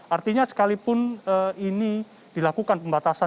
artinya sekalipun ini dilakukan pembatasan